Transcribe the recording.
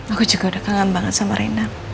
aku juga udah kangen banget sama rena